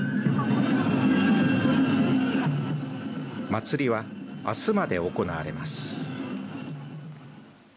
祭りは、あすまで行われます。